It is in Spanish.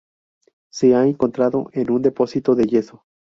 Se ha encontrado en un depósito de yeso.